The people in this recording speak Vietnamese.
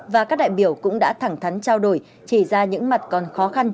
và các đại biểu cũng đã thẳng thắn trao đổi chỉ ra những mặt còn khó khăn